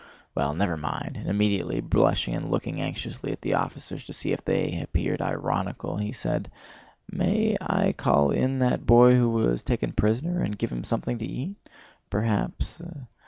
"Well, never mind!" and immediately, blushing and looking anxiously at the officers to see if they appeared ironical, he said: "May I call in that boy who was taken prisoner and give him something to eat?... Perhaps..."